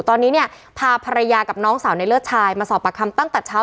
ตอนนี้เนี่ยพาภรรยากับน้องสาวในเลิศชายมาสอบประคำตั้งแต่เช้า